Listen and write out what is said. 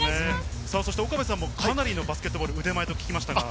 岡部さんもかなりのバスケットボールの腕前と聞きました。